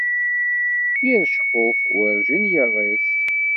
Yir ceqquf werǧin iṛṛiẓ.